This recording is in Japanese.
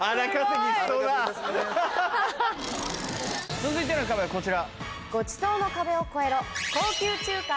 続いての壁はこちら。